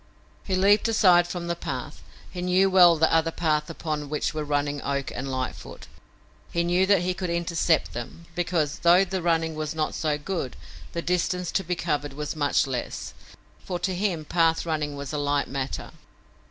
He leaped aside from the path. He knew well the other path upon which were running Oak and Lightfoot. He knew that he could intercept them, because, though the running was not so good, the distance to be covered was much less, for to him path running was a light matter.